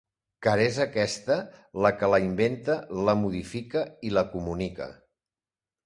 Car és aquesta la que la inventa, la modifica i la comunica.